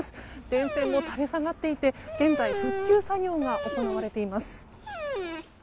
電線も垂れ下がっていて現在復旧作業が行われています。